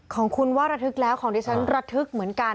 ของคุณว่าระทึกแล้วของดิฉันระทึกเหมือนกัน